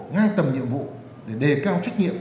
ngang tầm nhiệm vụ để đề cao trách nhiệm